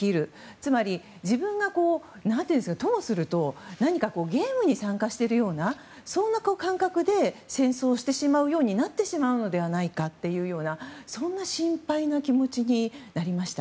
つまり、自分がともするとゲームをしているような感覚で戦争をしてしまうようになってしまうのではないかという心配な気持ちになりました。